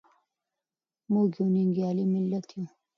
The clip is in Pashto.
موږ یو ننګیالی ملت یو.